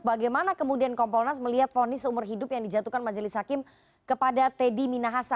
bagaimana kemudian kompolnas melihat fonis seumur hidup yang dijatuhkan majelis hakim kepada teddy minahasa